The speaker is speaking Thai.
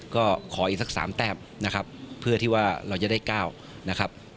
ก็ขออีกสัก๓แต้มนะครับเพื่อที่ว่าเราจะได้๙นะครับ